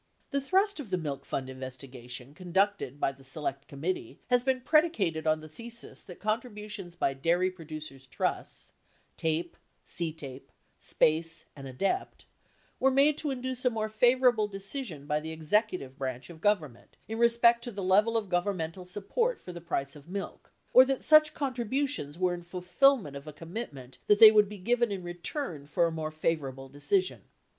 The thrust of the Milk Fund investigation conducted by the Select Committee has been predicated on the thesis that contributions by dairy producers' trusts (TAPE, CTAPE, SPACE, and ADEPT) were made to induce a more favorable decision by the executive branch of Government in respect to the level of governmental support for the price of milk, or that such contributions were in fulfillment of a commitment that they would be given in return for a more favorable decision.